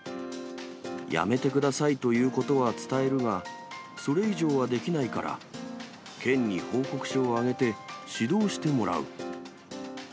やめてくださいということは伝えるが、それ以上はできないから、県に報告書を上げて、指導してもらう。